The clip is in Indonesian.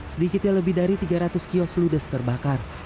sedikitnya lebih dari tiga ratus kios ludes terbakar